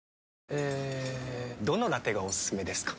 えどのラテがおすすめですか？